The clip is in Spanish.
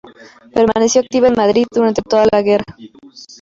Permaneció activa en Madrid durante toda la guerra.